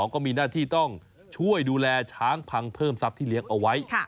ก็มีหน้าที่ต้องช่วยดูแลช้างพังเพิ่มทรัพย์ที่เลี้ยงเอาไว้